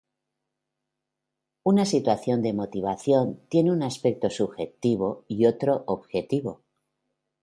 Una situación de motivación tiene un aspecto subjetivo y otro objetivo.